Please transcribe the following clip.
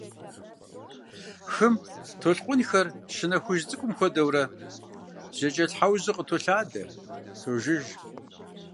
Хым толъкъунхэр щынэ хужь цӏыкӏум хуэдэурэ, зэкӏэлъхьэужьу къытолъадэ, тожыж.